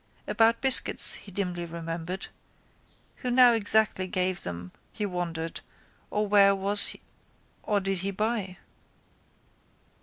About biscuits he dimly remembered. Who now exactly gave them he wondered or where was or did he buy.